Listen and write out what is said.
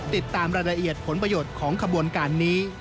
ติดตามรายละเอียดผลประโยชน์ของขบวนการนี้